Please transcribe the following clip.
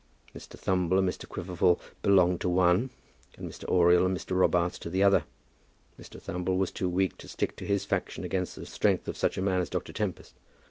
Mr. Thumble and Mr. Quiverful belonged to one, and Mr. Oriel and Mr. Robarts to the other. Mr. Thumble was too weak to stick to his faction against the strength of such a man as Dr. Tempest.